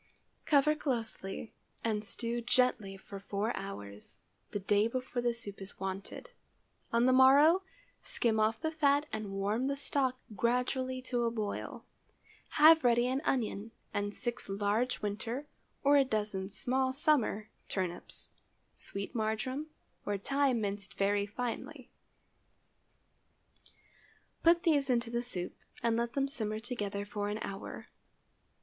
Cover closely and stew gently for four hours, the day before the soup is wanted. On the morrow, skim off the fat and warm the stock gradually to a boil. Have ready an onion and six large winter or a dozen small summer turnips, sweet marjoram or thyme minced very finely. Put these into the soup and let them simmer together for an hour.